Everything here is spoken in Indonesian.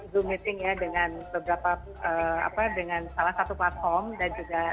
zoom meeting ya dengan beberapa apa dengan salah satu platform dan juga